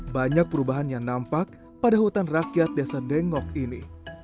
banyak perubahan yang nampak pada hutan rakyat desa dengok ini